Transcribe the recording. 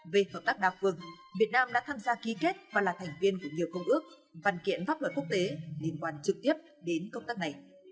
về hợp tác đa phương việt nam đã tham gia ký kết và là thành viên của nhiều công ước văn kiện pháp luật quốc tế liên quan trực tiếp đến công tác này